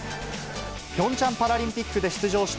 ピョンチャンパラリンピックで出場した